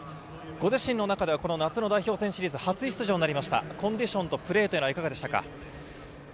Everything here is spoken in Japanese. ご自身の中ではこの夏の代表戦シリーズ、初出場となりました、コンディションとプレーはいかがでしたか？